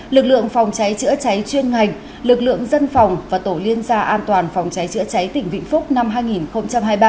lực lượng phòng cháy chữa cháy chuyên ngành lực lượng dân phòng và tổ liên gia an toàn phòng cháy chữa cháy tỉnh vĩnh phúc năm hai nghìn hai mươi ba